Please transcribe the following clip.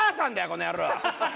この野郎！